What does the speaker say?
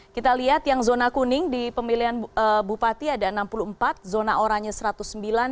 kita lihat yang zona kuning di pemilihan bupati ada enam puluh empat zona oranye satu ratus sembilan